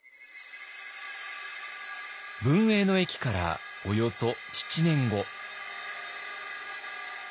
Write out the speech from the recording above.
文永の役からおよそ７年後。